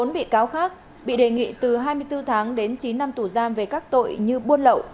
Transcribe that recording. một mươi bị cáo khác bị đề nghị từ hai mươi bốn tháng đến chín năm tù giam về các tội như buôn lậu